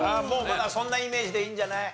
まあそんなイメージでいいんじゃない？